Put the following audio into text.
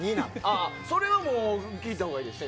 それはもう聞いたほうがいいですよ。